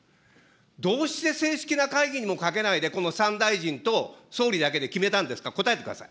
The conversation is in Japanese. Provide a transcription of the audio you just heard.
どうして正式な会議にもかけないで、この３大臣と総理だけで決めたんですか。